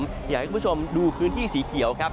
อยากให้คุณผู้ชมดูพื้นที่สีเขียวครับ